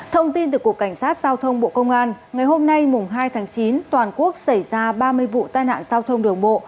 thông tin từ cục cảnh sát giao thông bộ công an ngày hôm nay hai tháng chín toàn quốc xảy ra ba mươi vụ tai nạn giao thông đường bộ